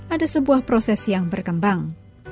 ada sebuah proses yang berkembang